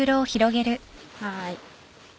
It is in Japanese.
はい。